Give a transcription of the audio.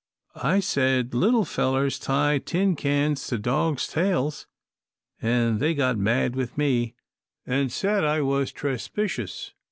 I said, 'Little fellers tie tin cans to dogs' tails' an' then they got mad with me an' said I was trespicious.